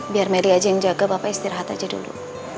biar mari aja yang jaga bapak istirahat aja dulu